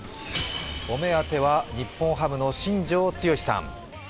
お目当ては、日本ハムの新庄剛志さん。